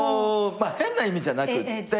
変な意味じゃなくって。